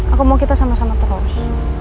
aku mau kita sama sama terus